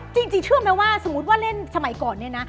จริงเชื่อไหมว่าสมมุติว่าเล่นสมัยก่อนเนี่ยนะ